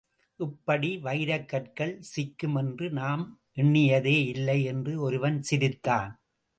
இப்படி வைரக் கற்கள் சிக்கும் என்று நாம் எண்ணியதே இல்லை என்று ஒருவன் சிரித்தான்.